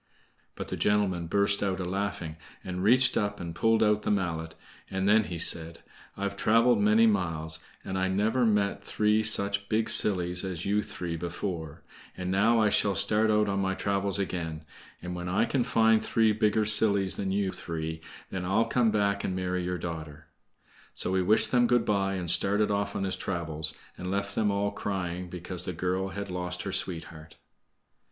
But the gentleman burst out a laughing, and reached up and pulled out the mallet, and then he said: "I've traveled many miles, and I never met three such big sillies as you three before; and now I shall start out on my travels again, and when I can find three bigger sillies than you three, then I'll come back and marry your daughter." So he wished them good by and started off on his travels, and left them all crying because the girl had lost her sweetheart.